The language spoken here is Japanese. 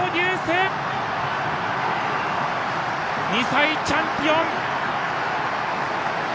２歳チャンピオン！